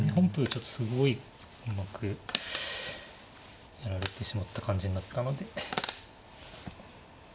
ちょっとすごいうまくやられてしまった感じになったので。